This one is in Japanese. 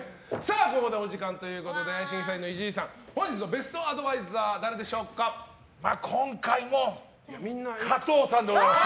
ここでお時間ということで審査員の伊集院さん本日のベストアドバイザーは今回も加藤さんでお願いします。